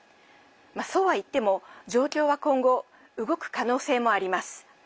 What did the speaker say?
そうはいっても状況は今後、動く可能性もあります。